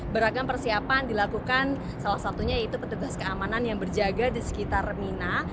beragam persiapan dilakukan salah satunya yaitu petugas keamanan yang berjaga di sekitar mina